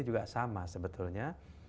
juga sama sebetulnya